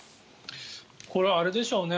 これ、あれでしょうね